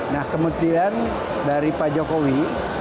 nah kemudian dari pak jokowi